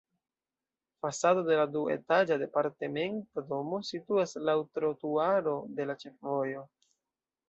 Fasado de la duetaĝa departementa domo situas laŭ trotuaro de la ĉefvojo.